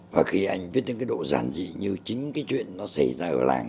và khi anh viết những cái độ giản dị như chính cái chuyện nó xảy ra ở làng